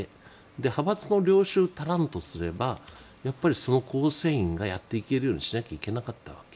派閥の領袖たらんとすればその構成員がやっていけるようにしなければいけなかったわけ。